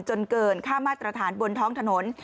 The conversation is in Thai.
จนเกินค่ามาตรฐานบนท้องถนน